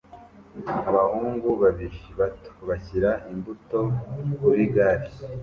Abahungu babiri bato bashyira imbuto kuri gare